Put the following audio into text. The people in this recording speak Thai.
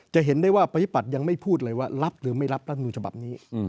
จะเห็นได้ว่าปฏิบัติยังไม่พูดเลยว่ารับหรือไม่รับรัฐมนุษย์ฉบับนี้